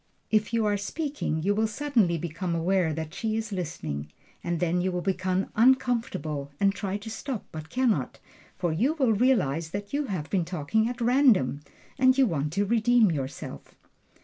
If you are speaking you will suddenly become aware that she is listening, and then you will become uncomfortable and try to stop, but can not; for you will realize that you have been talking at random, and you want to redeem yourself.